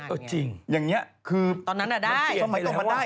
คือมันเปลี่ยนไปแล้วว่าตอนนั้นอะได้มันเปลี่ยนไปแล้วว่า